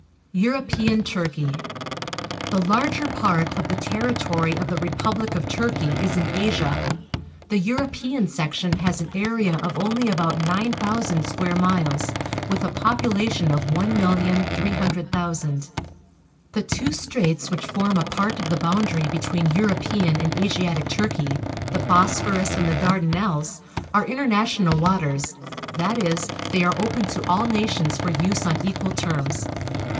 EUROPEAN TURKEY 0*t<^ r The larger part of the territory of the republic of Turkey is in Asia. The European section has an area of only about 9,000 square miles, with a population of 1,300,000. The two straits which form a part of the boundary between European and Asiatic Turkey — the Bosphorus and the Dardanelles — are international waters, that is, they are open to all nations for use on equal terms.